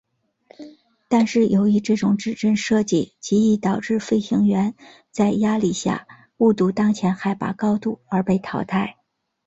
但是由于这种指针设计极易导致飞行员在压力下误读当前海拔高度而被淘汰。